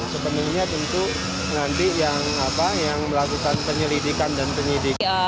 sepenuhnya tentu nanti yang melakukan penyelidikan dan penyidikan